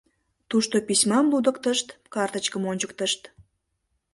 Тушто письмам лудыктышт, картычкым ончыктышт.